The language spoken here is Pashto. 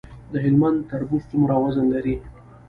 د هلمند تربوز څومره وزن لري؟